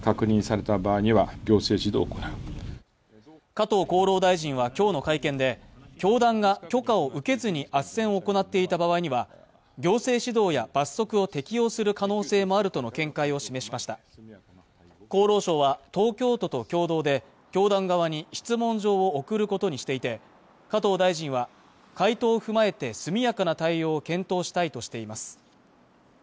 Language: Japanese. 加藤厚労大臣はきょうの会見で教団が許可を受けずにあっせんを行っていた場合には行政指導や罰則を適用する可能性もあるとの見解を示しました厚労省は東京都と共同で教団側に質問状を送ることにしていて加藤大臣は回答を踏まえて速やかな対応を検討したいとしています